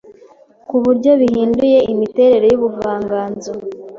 ku buryo yahinduye imiterere y'ubuvanganzo